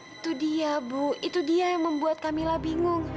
itu dia bu itu dia yang membuat camillah bingung